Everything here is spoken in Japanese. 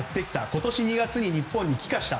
今年２月に日本に帰化した。